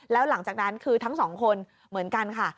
แล้วหลังจากนั้นคือทั้งสองคนเหมือนกันค่ะ